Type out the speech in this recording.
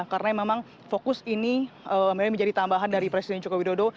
karena memang fokus ini memang menjadi tambahan dari presiden joko widodo